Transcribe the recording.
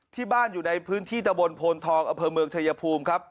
ที่บ้านอยู่ในพื้นที่ตะบนโพนทองอำเภอเมืองชายภูมิครับ